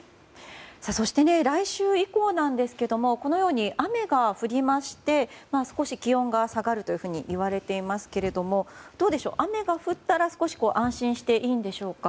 そして来週以降ですがこのように雨が降りまして少し気温が下がるといわれていますけれどもどうでしょう、雨が降ったら少し安心していいのでしょうか。